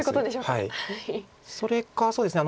それかそうですね